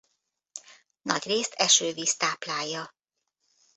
Nagy részt esővíz táplálja.